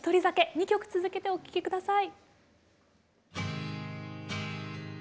２曲続けてお聴き下さい。